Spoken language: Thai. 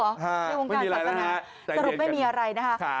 ในวงการสัตว์กำหนดสรุปไม่มีอะไรนะครับใจเย็นกันค่ะไม่มีอะไร